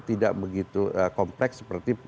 tidak begitu kompleks seperti